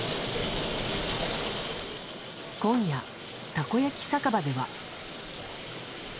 今夜、たこ焼き酒場では。